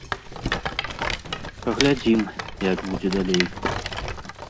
Паглядзім, як будзе далей.